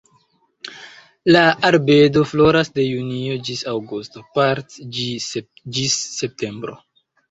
La arbedo floras de junio ĝis aŭgusto, part ĝis septembro.